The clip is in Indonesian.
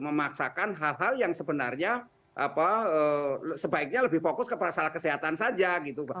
memaksakan hal hal yang sebenarnya sebaiknya lebih fokus ke masalah kesehatan saja gitu